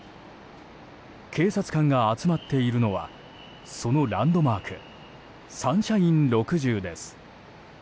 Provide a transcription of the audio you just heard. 警察官が集まっているのはそのランドマークサンシャイン６０です。